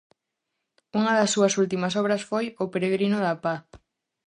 Unha das súas últimas obras foi "O peregrino da paz".